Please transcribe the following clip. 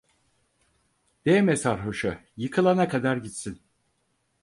Değme sarhoşa, yıkılana kadar gitsin.